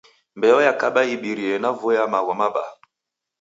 Mbeo yakaba ibirie na vua ya magho mabaa.